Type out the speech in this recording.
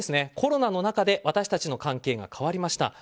ただ近年、コロナの中で私たちの関係が変わりました。